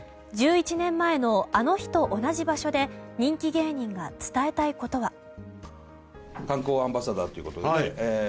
１１年前のあの日と同じ場所で人気芸人が伝えたいことは。